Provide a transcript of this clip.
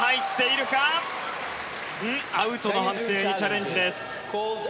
アウトの判定にチャレンジです。